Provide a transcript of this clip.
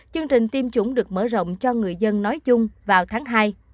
chương trình tiêm chủng được mở rộng cho người dân nói chung vào tháng hai